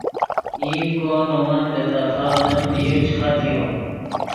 ایند کو نے ون لیتفڤدیم میر چے ختیو